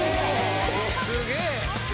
すげえ！